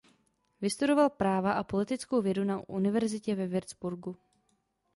Vystudoval práva a politickou vědu na univerzitě ve Würzburgu.